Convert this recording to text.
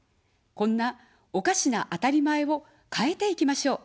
こんなおかしなあたりまえを変えていきましょう。